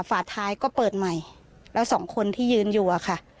ฝาท้ายก็เปิดใหม่แล้วสองคนที่ยืนอยู่อะค่ะ